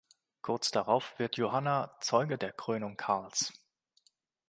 Kurz darauf wird Johanna Zeuge der Krönung Karls.